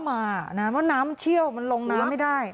เพราะน้ำมันเชี่ยวมันลงน้ำไม่ได้